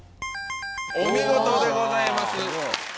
お見事でございます。